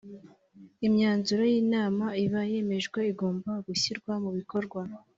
imyanzuro y’ inama iba yemejwe igomba gushyirwa mu bikorwa